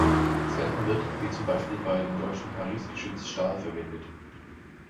Selten wird, wie zum Beispiel bei dem deutschen Paris-Geschütz, Stahl verwendet.